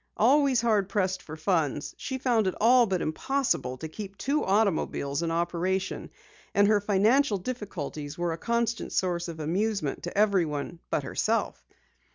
Always hard pressed for funds, she found it all but impossible to keep two automobiles in operation, and her financial difficulties were a constant source of amusement to everyone but herself.